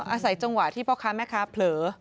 อาศัยจังหวะที่พ่อค้าแม่ค้าเผลอ